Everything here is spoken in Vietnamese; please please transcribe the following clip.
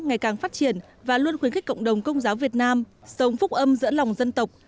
ngày càng phát triển và luôn khuyến khích cộng đồng công giáo việt nam sống phúc âm giữa lòng dân tộc